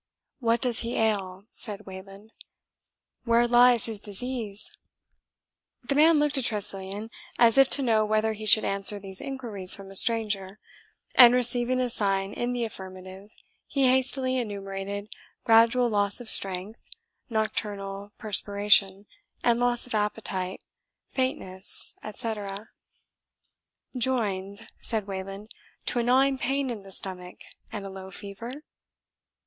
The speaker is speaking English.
"What does he ail?" said Wayland; "where lies his disease?" The man looked at Tressilian, as if to know whether he should answer these inquiries from a stranger, and receiving a sign in the affirmative, he hastily enumerated gradual loss of strength, nocturnal perspiration, and loss of appetite, faintness, etc. "Joined," said Wayland, "to a gnawing pain in the stomach, and a low fever?"